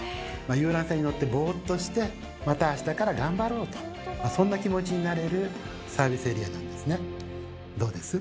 遊覧船に乗ってボーっとしてまた明日から頑張ろうとそんな気持ちになれるサービスエリアなんですね。